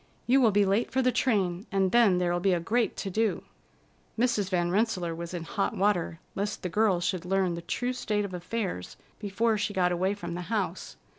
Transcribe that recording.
You will be late for the train, and then there'll be a great to do." Mrs. Van Rensselaer was in hot water lest the girl should learn the true state of affairs before she got away from the house.